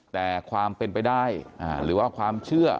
แต่ความเป็นไปได้หรือว่าความเชื่อ